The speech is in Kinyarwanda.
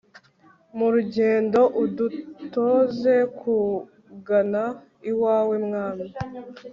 mu rugendo, udutoze kugana iwawe, mwami